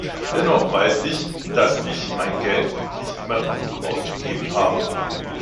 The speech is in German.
Dennoch weiß ich, dass ich mein Geld nicht immer klug ausgegeben habe.